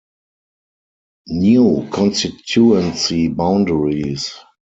New constituency boundaries.